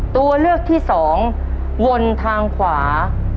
ตัวเลือกที่สองวนทางขวา